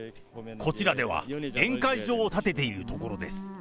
こちらでは、宴会場を建てているところです。